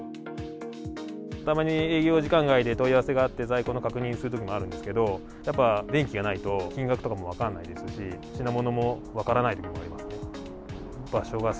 たまに営業時間外で問い合わせがあって、在庫の確認するときもあるんですけど、やっぱり、電気がないと金額とかも分かんないですし、品物も分からないものもあります。